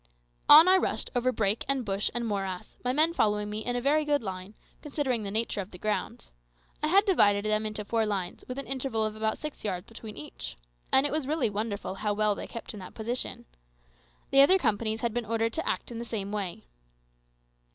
On I rushed over brake and bush and morass, my men following me in a very good line, considering the nature of the ground. I had divided them into four lines, with an interval of about six yards between each. And it was really wonderful how well they kept in that position. The other companies had been ordered to act in the same way.